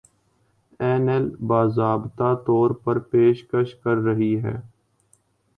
اینایل باضابطہ طور پر پیشکش کر رہی ہے